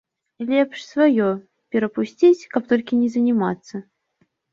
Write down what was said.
Лепш сваё перапусціць, каб толькі не занімацца.